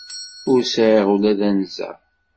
Ur sεiɣ ula d anza.